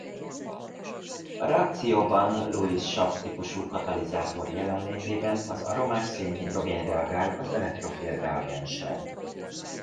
A reakcióban Lewis-sav típusú katalizátor jelenlétében az aromás szénhidrogén reagál az elektrofil reagenssel.